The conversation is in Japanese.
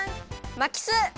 まきす！